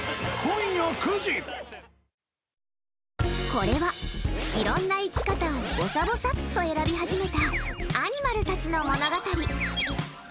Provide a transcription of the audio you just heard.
これは、いろんな生き方をぼさぼさっと選び始めたアニマルたちの物語。